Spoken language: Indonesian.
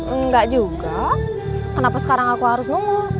enggak juga kenapa sekarang aku harus nunggu